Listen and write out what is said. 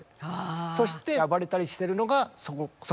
そして暴れたりしてるのがそこで。